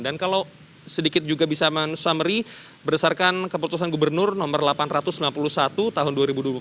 dan kalau sedikit juga bisa men summary berdasarkan keputusan gubernur nomor delapan ratus sembilan puluh satu tahun dua ribu dua puluh satu